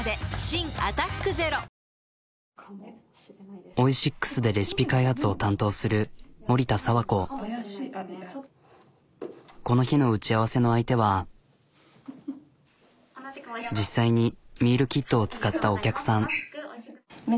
新「アタックＺＥＲＯ」オイシックスでレシピ開発を担当するこの日の打ち合わせの相手は実際にミールキットを使ったお客さん。